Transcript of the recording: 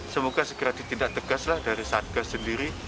semoga segera ditindak tegaslah dari satgas sendiri